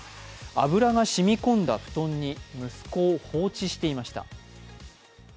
油が染み込んだ布団に息子を放置していました。